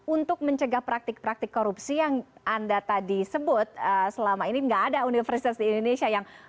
untuk mencegah praktik praktik korupsi yang anda tadi sebut selama ini nggak ada universitas di indonesia yang